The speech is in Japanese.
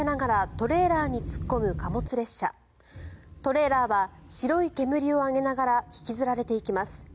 トレーラーは白い煙を上げながら引きずられていきます。